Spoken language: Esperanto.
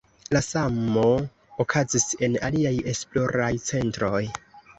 La samo okazis en aliaj esploraj centroj.